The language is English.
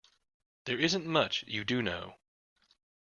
There isn't much you do know.